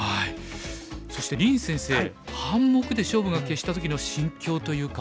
そして林先生半目で勝負が決した時の心境というか。